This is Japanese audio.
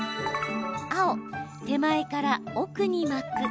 青・手前から奥に巻く。